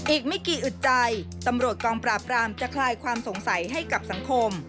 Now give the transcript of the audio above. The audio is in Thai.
อีกไม่กี่อึดใจตำรวจกองปราบรามจะคลายความสงสัยให้กับสังคม